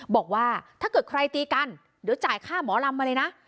บอกว่าถ้าเกิดใครตีกันเดี๋ยวจ่ายค่าหมอลำมาเลยนะ